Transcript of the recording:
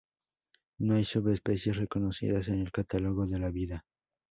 No hay subespecies reconocidas en el Catálogo de la Vida.